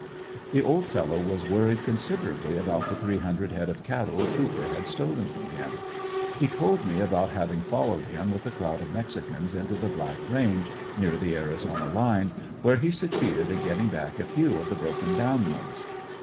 The old fellow was worried considerably about the three hundred head of cattle Cooper had stolen from him. He told me about having followed him with a crowd of mexicans into the Black Range, near the Arizona line, where he succeeded in getting back a few of the broken down ones.